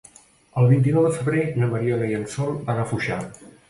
El vint-i-nou de febrer na Mariona i en Sol van a Foixà.